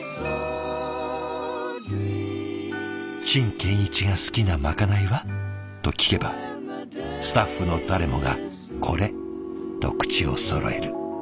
「陳建一が好きなまかないは？」と聞けばスタッフの誰もが「これ」と口をそろえる。